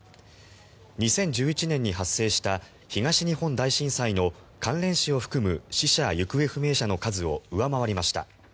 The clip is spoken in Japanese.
２０１１年に発生した東日本大震災の関連死を含む死者・行方不明者の数を上回りました。